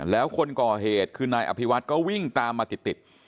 แล้วคนก่อเหตุคือนายอภิวัฒน์ก็วิ่งตามมาติด